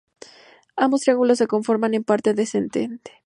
Ambos triángulos se conforman en forma descendente.